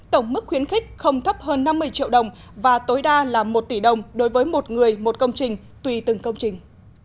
tổng mức khuyến khích không thấp hơn năm mươi triệu đồng và tối đa là một tỷ đồng đối với một người một công trình tùy từng công trình